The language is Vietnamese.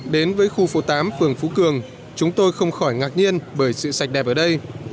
đến với khu phố tám phường phú cường chúng tôi không khỏi ngạc nhiên bởi sự sạch đẹp ở đây